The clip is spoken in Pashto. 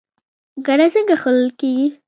ګنی څنګه خوړل کیږي؟